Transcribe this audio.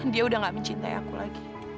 dia udah gak mencintai aku lagi